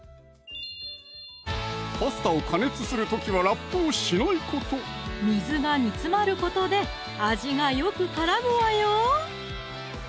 パスタを加熱する時はラップをしないこと水が煮詰まることで味がよく絡むわよ！